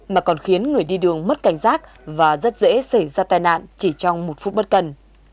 mà còn khiến người đi đường mất cảnh giác và rất dễ xảy ra tai nạn chỉ trong một phút bất cần